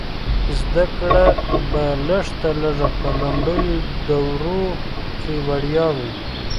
زده کړه به لږ تر لږه په لومړنیو دورو کې وړیا وي.